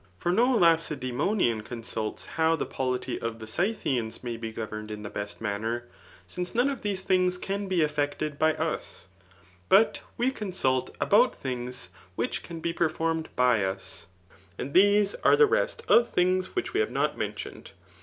Digitized by Google x^QPcentt i for no Lacedaempnnn cotmte liow die fo lity of the Scythians may be governed in the best mv^ jttr^ since none of these things can be effected by us. But we cc^[isult about things which can be performed by ub; and these are the. rest of things which we have noc m^itioned.